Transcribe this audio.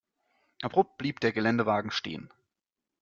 Abrupt blieb der Geländewagen stehen.